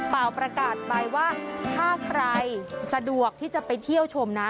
เปล่าประกาศไปว่าถ้าใครสะดวกที่จะไปเที่ยวชมนะ